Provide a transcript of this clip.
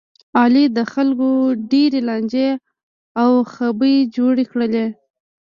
علي د خلکو ډېرې لانجې او خبې جوړې کړلې.